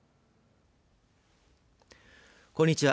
こんにちは。